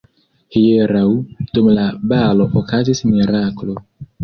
Hieraŭ dum la balo okazis miraklo.